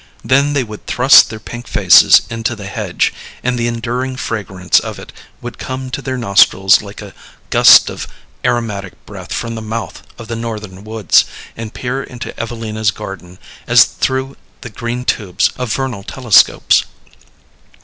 Then they would thrust their pink faces into the hedge, and the enduring fragrance of it would come to their nostrils like a gust of aromatic breath from the mouth of the northern woods, and peer into Evelina's garden as through the green tubes of vernal telescopes.